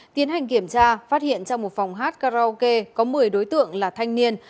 tiến hành kiểm tra phát hiện trong một phòng hát karaoke có một mươi đối tượng là thanh niên